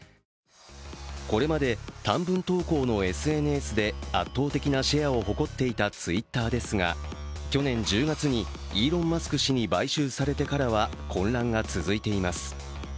これまで短文投稿のＳＮＳで圧倒的なシェアを誇っていたＴｗｉｔｔｅｒですが、去年１０月にイーロン・マスク氏に買収されてからは混乱が続いています。